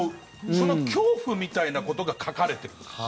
その恐怖みたいなことが書かれてます。